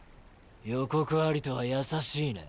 予告アリとは優しいね。